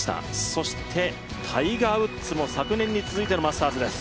そしてタイガー・ウッズも昨年に続いてのマスターズです。